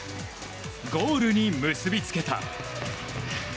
ゴールに結びつけた。